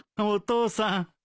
お父さん。